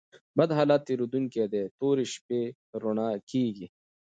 بد حالت تېرېدونکى دئ؛ توري شپې رؤڼا کېږي.